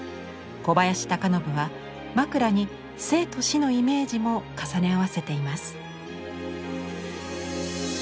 小林孝亘は枕に生と死のイメージも重ね合わせています。